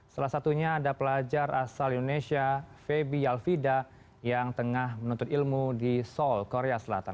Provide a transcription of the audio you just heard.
salah satunya ada pelajar asal indonesia feby yalfida yang tengah menuntut ilmu di seoul korea selatan